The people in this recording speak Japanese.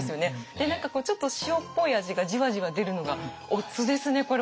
で何かこうちょっと塩っぽい味がじわじわ出るのがおつですねこれ。